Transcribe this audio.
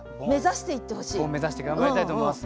ボン目指して頑張りたいと思います。